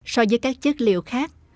so với các chất liệu khác